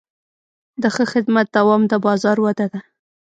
د ښه خدمت دوام د بازار وده ده.